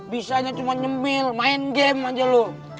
bisanya cuma nyembil main game aja lu